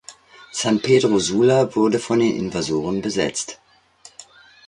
San Pedro Sula wurde von den Invasoren besetzt.